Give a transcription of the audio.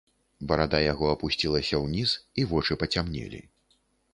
Барада яго апусцілася ўніз, і вочы пацямнелі.